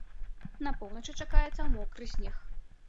На поўначы чакаецца мокры снег.